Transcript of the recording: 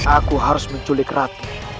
aku harus menculik ratu